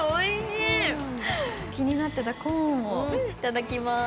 気になってたコーンをいただきます。